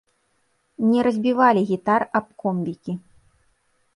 Не разбівалі гітар аб комбікі.